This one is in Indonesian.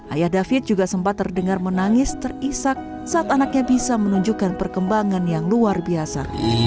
ayah david juga sempat terdengar menangis terisak saat anaknya bisa menunjukkan perkembangan yang luar biasa